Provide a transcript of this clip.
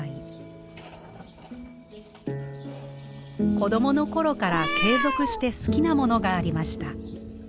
子どもの頃から継続して好きなものがありました。